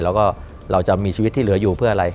แล้วก็เราจะมีชีวิตที่เหลืออยู่เพื่ออะไร